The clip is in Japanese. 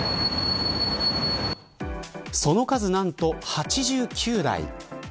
その数、何と８９台。